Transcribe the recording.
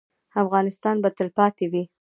افغانستان به تلپاتې وي